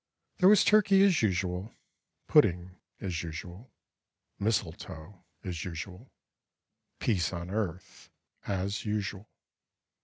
There was turkey as usual, Pudding as usual, Mistletoe as usual, Peace on earth as usual.